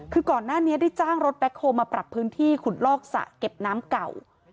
คือก่อนหน้านี้ได้จ้างรถแบ็คโฮลมาปรับพื้นที่ขุดลอกสระเก็บน้ำเก่า